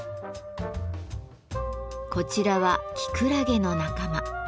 こちらはキクラゲの仲間。